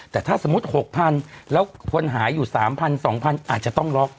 แต่ถ้าสมมุติ๖๐๐๐แล้วคนหายอยู่๓๐๐๒๐๐อาจจะต้องล็อก